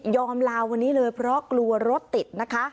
ลาวันนี้เลยเพราะกลัวรถติดนะคะ